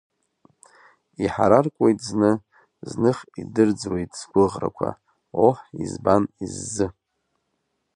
Иҳараркуеит зны, зных идырӡуеит сгәыӷрақәа, оҳ, избан, иззы?